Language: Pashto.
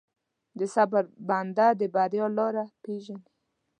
د صبر بنده، د بریا لاره پېژني.